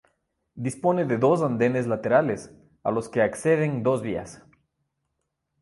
Dispone de dos andenes laterales, a los que acceden dos vías.